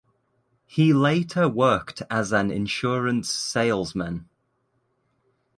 He later worked as an insurance salesman.